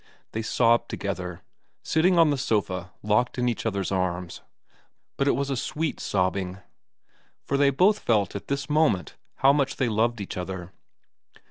They sobbed together, sitting on the sofa locked in each other's arms, but it was a sweet sobbing, for they both felt at this moment how much they loved each other.